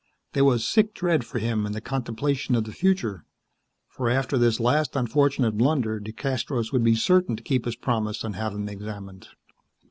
There was sick dread for him in the contemplation of the future, for after this last unfortunate blunder DeCastros would be certain to keep his promise and have him examined.